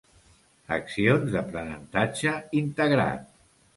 Accions d'aprenentatge integrat.